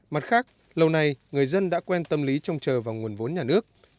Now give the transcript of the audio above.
mặt khác lâu nay người dân đã quen tâm lý trông chờ vào nguồn vốn nhà nước